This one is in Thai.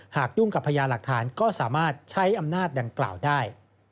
ยุ่งกับพญาหลักฐานก็สามารถใช้อำนาจดังกล่าวได้